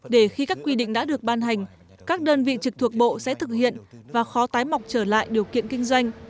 để khi các quy định đã được ban hành các đơn vị trực thuộc bộ sẽ thực hiện và khó tái mọc trở lại điều kiện kinh doanh